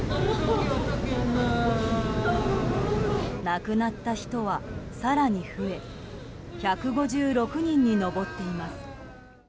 亡くなった人は更に増え１５６人に上っています。